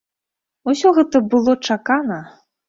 Усё гэта было чакана.